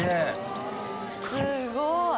すごい！